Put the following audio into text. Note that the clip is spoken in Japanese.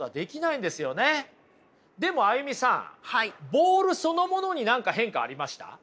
ボールそのものに何か変化ありました？